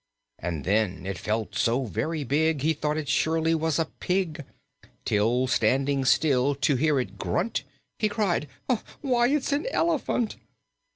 "And then, it felt so very big, He thought it surely was a pig Till, standing still to hear it grunt, He cried: 'Why, it's an elephunt!'